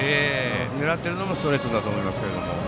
狙っているのもストレートだと思いますが。